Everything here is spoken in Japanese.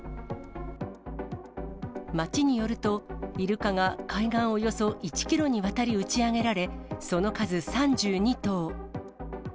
町によると、イルカが海岸およそ１キロにわたり打ち上げられ、その数３２頭。